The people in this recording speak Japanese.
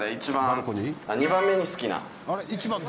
２番目に好きな。